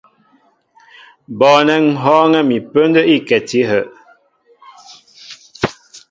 Bɔɔnɛ́ ŋ̀ hɔ́ɔ́ŋɛ́ mi pə́ndə́ íkɛti áhə'.